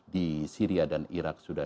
di syria dan irak sudah